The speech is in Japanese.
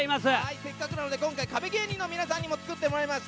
せっかくなので今回、壁芸人の皆さんにも作ってもらいました。